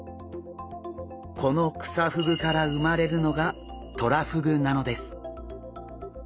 このクサフグから産まれるのがトラフグなのです。